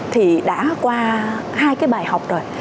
thì đã qua hai cái bài học rồi